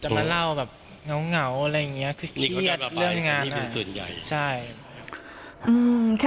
จะออกมาเล่าแบบเหงาอะไรอย่างเงี้ยคิดเรื่องนานใช่